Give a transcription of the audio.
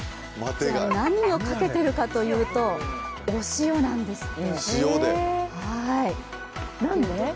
何をかけているのかというとお塩なんですって。